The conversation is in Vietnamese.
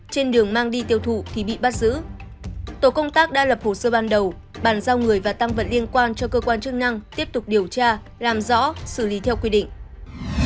trên đường mang đi tiêu thụ thì bị bắt giữ tổ công tác đã lập hồ sơ ban đầu bàn giao người và tăng vật liên quan cho cơ quan chức năng tiếp tục điều tra làm rõ xử lý theo quy định